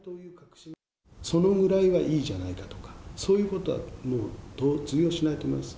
そのぐらいはいいじゃないかとか、そういうことはもう通用しないと思います。